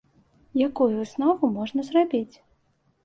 Якую выснову можна зрабіць?